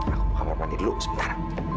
aku mau kamar mandi dulu sebentar